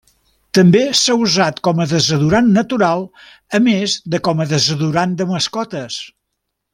També s'ha usat com a desodorant natural, a més de com a desodorant de mascotes.